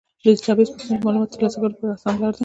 د ډیټابیس پوښتنې د معلوماتو ترلاسه کولو اسانه لاره ده.